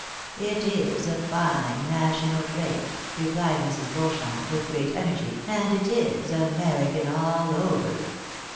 " It is a fine national trait replied Mrs. Beauchamp, with great energy, and it is American all over.